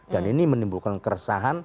dan ini menimbulkan keresahan